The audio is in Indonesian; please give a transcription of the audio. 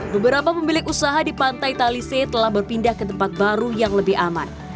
beberapa pemilik usaha di pantai talise telah berpindah ke tempat baru yang lebih aman